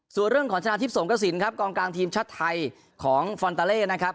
ส่วนเรื่องของชนะทิพย์สงกระสินครับกองกลางทีมชาติไทยของฟอนตาเล่นะครับ